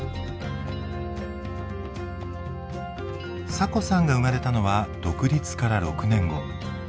サコさんが生まれたのは独立から６年後。